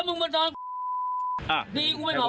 เฮ้ยไหนมันของได้